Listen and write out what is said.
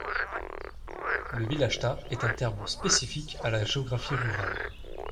Le village-tas est un terme spécifique à la géographie rurale.